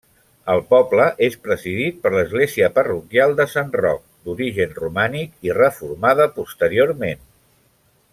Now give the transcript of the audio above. El poble és presidit per l'església parroquial de Sant Roc, d'origen romànic i reformada posteriorment.